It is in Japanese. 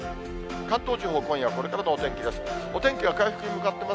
関東地方、今夜これからのお天気です。